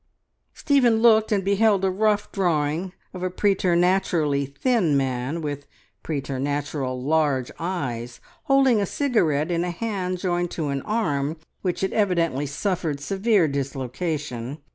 Stephen looked and beheld a rough drawing of a preternaturally thin man, with preternatural large eyes, holding a cigarette in a hand joined to an arm which had evidently suffered severe dislocation.